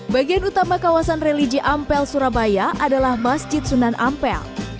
bagian utama kawasan religi ampel surabaya adalah masjid sunan ampel